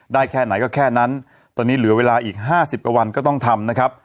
แค่ไหนก็แค่นั้นตอนนี้เหลือเวลาอีกห้าสิบกว่าวันก็ต้องทำนะครับ